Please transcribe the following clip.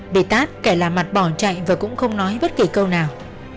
bị tát kẻ lạ mặt bỏ chạy và cũng không nói bất kỳ câu nào